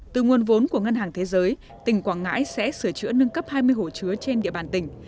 từ nguồn vốn của ngân hàng thế giới tỉnh quảng ngãi sẽ sửa chữa nâng cấp hai mươi hồ chứa trên địa bàn tỉnh